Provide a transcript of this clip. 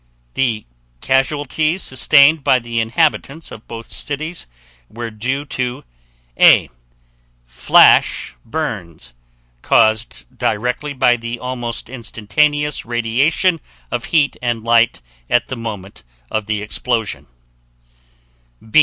The casualties sustained by the inhabitants of both cities were due to: A. "Flash" burns, caused directly by the almost instantaneous radiation of heat and light at the moment of the explosion.